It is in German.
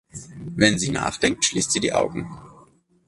Wenn sie nachdenkt, schließt sie die Augen.